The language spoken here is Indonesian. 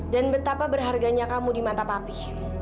dan betapa berharganya kamu di mata papi